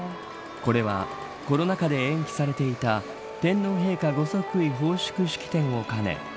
これはコロナ禍で延期されていた天皇陛下御即位奉祝式典を兼ね